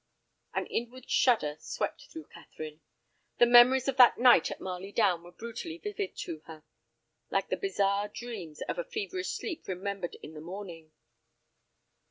An inward shudder swept through Catherine. The memories of that night at Marley Down were brutally vivid to her, like the bizarre dreams of a feverish sleep remembered in the morning.